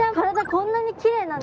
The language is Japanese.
こんなにきれいなんですか？